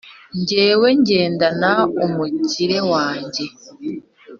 jyewe ngendana umukire wanjye